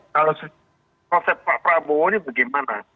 kalau konsep pak prabowo ini bagaimana